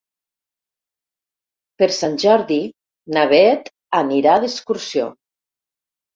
Per Sant Jordi na Beth anirà d'excursió.